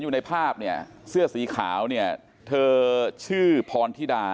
อยู่ในภาพเนี่ยเสื้อสีขาวเนี่ยเธอชื่อพรธิดา